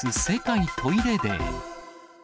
あす世界トイレデー。